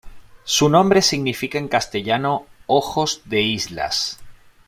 Su nombre significa en castellano "ojos de islas".